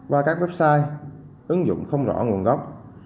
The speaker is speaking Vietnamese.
và các website ứng dụng không rõ nguồn gốc